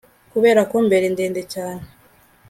kuberako mbere ndende cyane